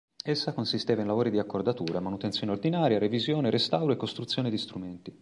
Essa consisteva in lavori di accordatura, manutenzione ordinaria, revisione, restauro e costruzione di strumenti.